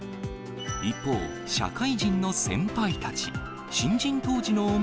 一方、社会人の先輩たち。